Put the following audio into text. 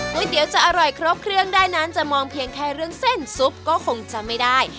เตี๋ยจะอร่อยครบเครื่องได้นั้นจะมองเพียงแค่เรื่องเส้นซุปก็คงจะไม่ได้